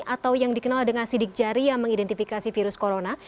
atau yang dikenal dengan sidik jari yang mengidentifikasi virus corona